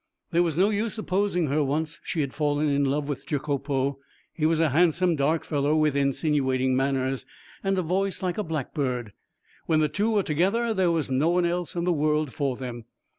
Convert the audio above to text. There was no use opposing her once she had fallen in love with Jacopo. He was a handsome, dark fellow, with insinuating manners, and a voice like a blackbird. When the two were together there was no one else in the world for them.